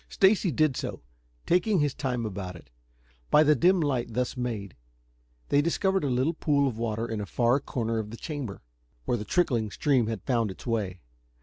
Stacy did so, taking his time about it. By the dim light thus made, they discovered a little pool of water in a far corner of the chamber, where the trickling stream had found it's way.